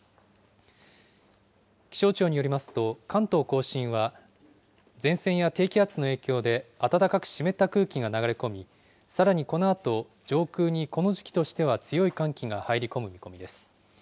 気象庁によりますと、関東甲信は、前線や低気圧の影響で、暖かく湿った空気が流れ込み、さらにこのあと、上空にこの時期としては強い寒気が入り込む見込みです。